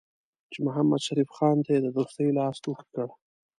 چې محمدشریف خان ته یې د دوستۍ لاس اوږد کړ.